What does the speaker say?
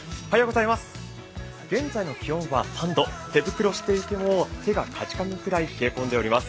現在の気温は３度、手袋していても手がかじかむくらい冷え込んでおります。